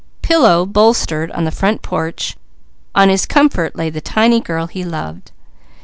Pillow bolstered, on the front porch, on his comfort lay the tiny girl he loved.